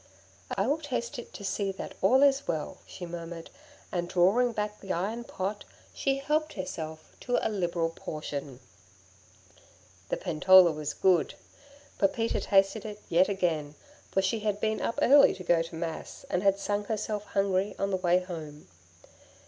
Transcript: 'I will taste it to see that all is well,' she murmured, and drawing back the iron pot, she helped herself to a liberal portion. The pentola was good; Pepita tasted it yet again, for she had been up early to go to Mass, and had sung herself hungry on the way home.